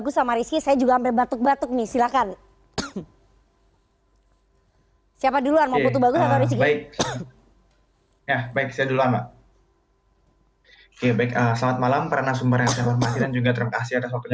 gue sudah bilang tadi si ijin dan si restu